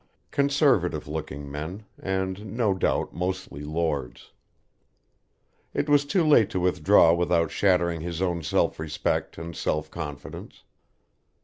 Conservative looking men, and no doubt mostly Lords. It was too late to withdraw without shattering his own self respect and self confidence.